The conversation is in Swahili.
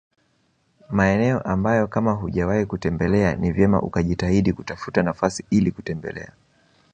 Maeneo ambayo kama hujawahi kutembelea ni vyema ukajitahidi kutafuta nafasi ili kutembelea